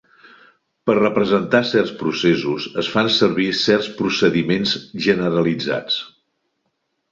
Per representar certs processos es fan servir certs procediments generalitzats.